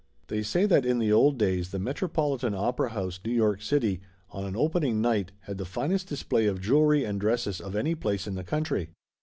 They say that in the old days the Metropolitan Opera House, New York City, on an opening night had the finest display of jewelry and dresses of any place in the country.